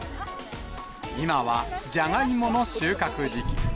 今は、じゃがいもの収穫時期。